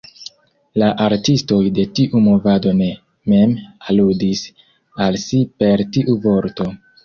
La artistoj de tiu movado ne mem aludis al si per tiu vorto.